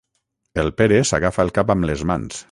El Pere s'agafa el cap amb les mans.